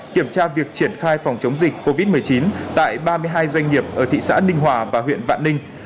kiểm tra việc triển khai phòng chống dịch covid một mươi chín tại ba mươi hai doanh nghiệp ở thị xã ninh hòa và huyện vạn ninh